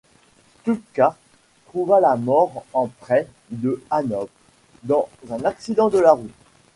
Stuckart trouva la mort en près de Hanovre, dans un accident de la route.